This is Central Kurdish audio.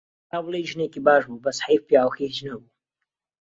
هەتا بڵێی ژنێکی باش بوو، بەس حەیف پیاوەکەی هیچ نەبوو.